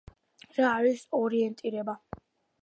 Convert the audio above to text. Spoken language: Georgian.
რა არის ორიენტირება